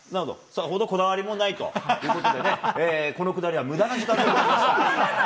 さほどこだわりもないということでね、このくだりは、そんなことないです。